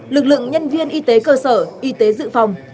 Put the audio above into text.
lực lượng nhân viên y tế cơ sở y tế dự phòng